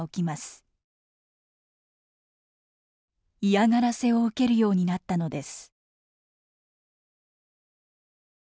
嫌がらせを受けるようになったのです。